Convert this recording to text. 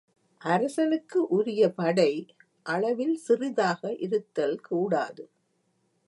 அரசனுக்கு உரிய படை அளவில் சிறிதாக இருத்தல் கூடாது.